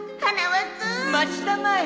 待ちたまえ！